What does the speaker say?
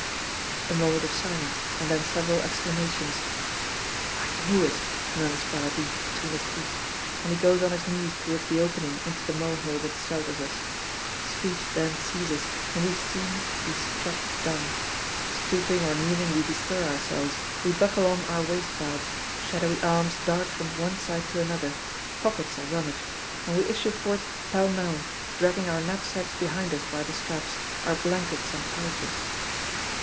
A moment of silence and then several exclamations. "I knew it," murmurs Paradis between his teeth, and he goes on his knees towards the opening into the molehill that shelters us. Speech then ceases and we seem to be struck dumb. Stooping or kneeling we bestir ourselves; we buckle on our waist belts; shadowy arms dart from one side to another; pockets are rummaged. And we issue forth pell mell, dragging our knapsacks behind us by the straps, our blankets and pouches.